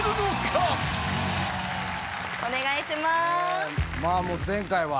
お願いしまーす。